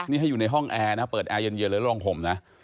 นี่ให้อยู่ในห้องแอร์นะเปิดแอร์เย็นเลยแล้วลองห่มนะ